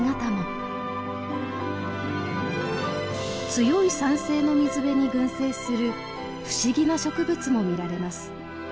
強い酸性の水辺に群生する不思議な植物も見られます。